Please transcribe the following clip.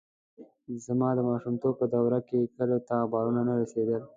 زما د ماشومتوب په دوره کې کلیو ته اخبارونه نه رسېدل.